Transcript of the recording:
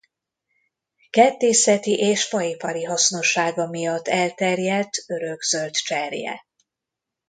Kertészeti és faipari hasznossága miatt elterjedt örökzöld cserje.